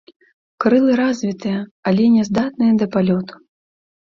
Крылы развітыя, але няздатныя да палёту.